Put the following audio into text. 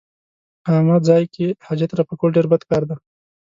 عامه ځای کې حاجت رفع کول ډېر بد کار دی.